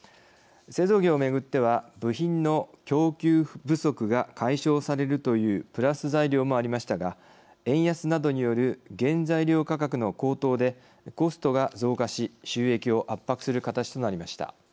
製造業を巡っては部品の供給不足が解消されるというプラス材料もありましたが円安などによる原材料価格の高騰でコストが増加し収益を圧迫する形となりました。